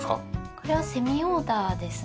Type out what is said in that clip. これはセミオーダーですね。